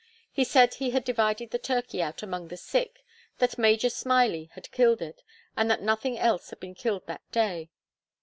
He said he had divided the turkey out among the sick, that Major Smiley had killed it, and that nothing else had been killed that day.